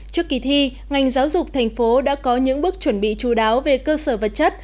trước kỳ thi ngành giáo dục thành phố đã có những bước chuẩn bị chú đáo về cơ sở vật chất